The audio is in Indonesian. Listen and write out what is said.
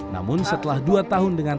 namun setelah dua tahun dengan